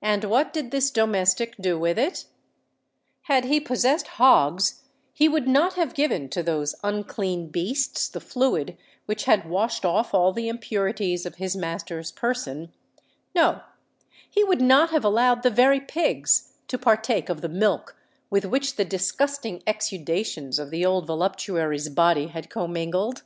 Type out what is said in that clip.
And what did this domestic do with it? Had he possessed hogs, he would not have given to those unclean beasts the fluid which had washed off all the impurities of his master's person:—no—he would not have allowed the very pigs to partake of the milk with which the disgusting exudations of the old voluptuary's body had commingled!